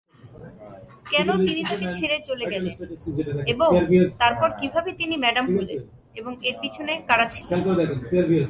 কেন তিনি তাকে ছেড়ে চলে গেলেন এবং তারপর কীভাবে তিনি ম্যাডাম হলেন এবং এর পিছনে কারা ছিলেন।